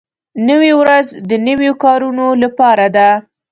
نوې ورځ د نویو کارونو لپاره ده